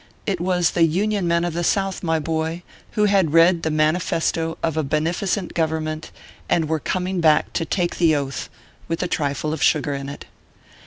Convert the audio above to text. It was the Union men of the South, my boy, who had read the manifesto of a beneficent Government, and were coming back to take the Oath with a trifle of sugar in it.